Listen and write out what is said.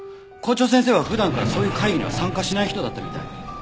校長先生は普段からそういう会議には参加しない人だったみたい。